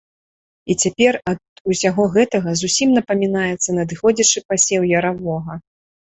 І цяпер ад усяго гэтага зусім напамінаецца надыходзячы пасеў яравога.